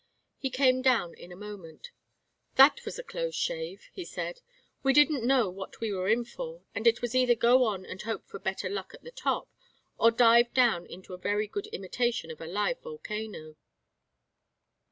He came down in a moment. "That was a close shave," he said. "We didn't know what we were in for, and it was either go on and hope for better luck at the top, or dive down into a very good imitation of a live volcano."